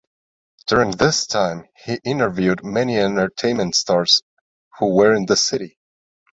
During this time, he interviewed many entertainment stars who were in the city.